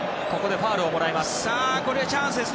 ファウルをもらいます。